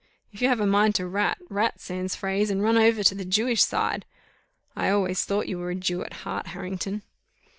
_ If you have a mind to rat, rat sans phrase, and run over to the Jewish side. I always thought you were a Jew at heart, Harrington."